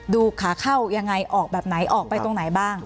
ดูขาเข้ายังไงออกแบบไหนออกไปตรงไหนบ้าง